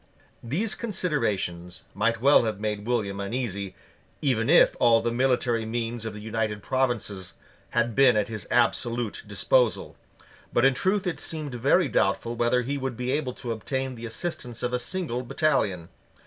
These considerations might well have made William uneasy; even if all the military means of the United Provinces had been at his absolute disposal. But in truth it seemed very doubtful whether he would be able to obtain the assistance of a single battalion.